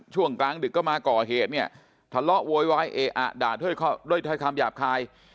ช่วงกลางดึกก็มาก่อเหตุเนี่ยทะเลาะโวยวายเออะด่าด้วยถ้อยคำหยาบคาย